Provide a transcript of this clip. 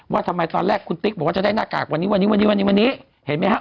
ว่าทำไมตอนแรกคุณติ๊กบอกว่าจะได้หน้ากากวันนี้วันนี้วันนี้เห็นไหมฮะ